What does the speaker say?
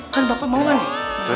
kan bapak mau gak nih